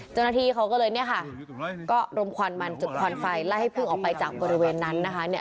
เจ้าหน้าที่เขาก็เลยเนี่ยค่ะก็รมควันมันจุดควันไฟไล่ให้พึ่งออกไปจากบริเวณนั้นนะคะ